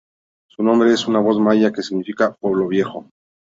Su nombre es una voz maya que significa "Pueblo viejo".